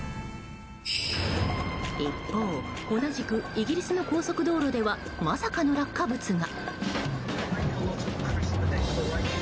一方、同じくイギリスの高速道路ではまさかの落下物が。